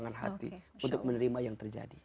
ke lapangan hati untuk menerima yang terjadi